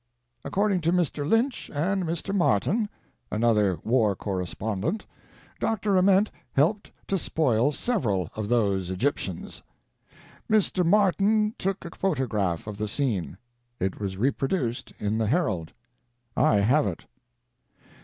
According to Mr. Lynch and Mr. Martin (another war correspondent), Dr. Ament helped to spoil several of those Egyptians. Mr. Martin took a photograph of the scene. It was reproduced in the Herald. I have it.